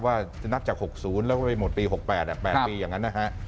ว่าจะนับจาก๖๐แล้วก็ไปหมดปี๖๘๘ปีอย่างนั้นนะฮะ